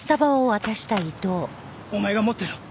お前が持ってろ。